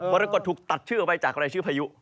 รกฏถูกตัดชื่อออกไปจากรายชื่อพายุ